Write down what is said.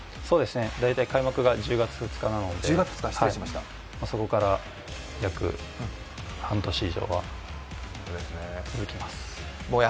大体開幕が１０月２日なので、そこから約半年以上は続きます。